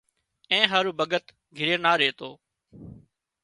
اين هارو ڀڳت گھري نا ريتو